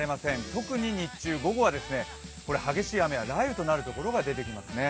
特に日中、午後は激しい雨や雷雨となる所が出てきますね。